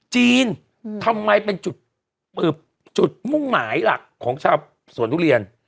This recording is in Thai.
จีนทำไมเป็นจุดมุ่งหมายหลักของชาวสวนทุเรียน